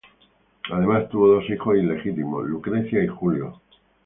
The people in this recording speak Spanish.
Además tuvo dos hijos ilegítimos, Lucrecia y Julio.